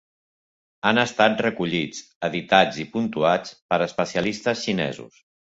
Han estat recollits, editats i puntuats per especialistes xinesos.